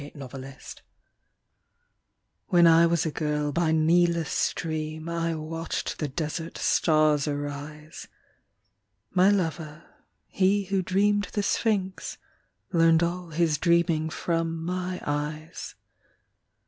92 THE WITCH When I was a girl by Nilus stream I watched the desert stars arise; My lover, he who dreamed the Sphinx, Learned all his dreaming from my eyes.